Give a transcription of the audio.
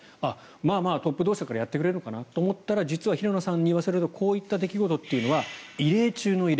トップ同士だからやってくれるのかなと思ったら実は平野さんに言わせるとこういった出来事というのは異例中の異例。